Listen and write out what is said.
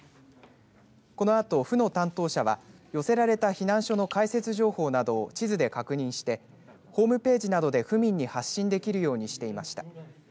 このあと、府の担当者は寄せられた避難所の開設情報などを地図で確認してホームページなどで府民に発信できるようにしていました。